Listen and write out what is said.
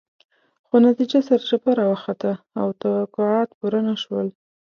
خو نتیجه سرچپه راوخته او توقعات پوره نه شول.